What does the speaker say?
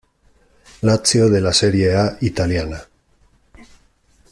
Lazio de la Serie A italiana.